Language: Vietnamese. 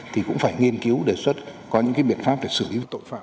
thì cũng phải nghiên cứu đề xuất có những biện pháp để xử lý